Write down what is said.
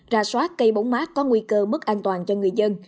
ra soát cây bóng mát có nguy cơ mất an toàn cho người dân